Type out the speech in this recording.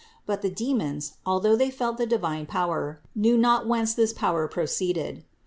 But the demons, although they felt the divine power, knew not whence this power proceeded.